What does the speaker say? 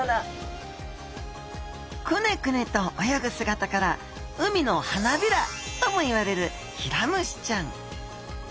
クネクネと泳ぐ姿から海の花びらともいわれるヒラムシちゃん。